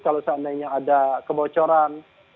kalau seandainya ada kebocoran